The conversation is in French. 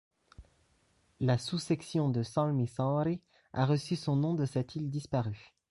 La sous-section de Salmisaari a reçu son nom de cette île disparue.